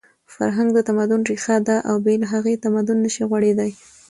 فرهنګ د تمدن ریښه ده او بې له هغې تمدن نشي غوړېدی.